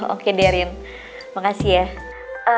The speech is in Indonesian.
oke deh rin makasih ya